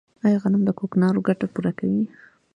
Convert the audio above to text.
آیا غنم د کوکنارو ګټه پوره کوي؟